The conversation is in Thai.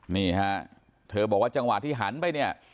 นี่ฮะเธอบอกว่าจังหวะที่หันไปเนี่ย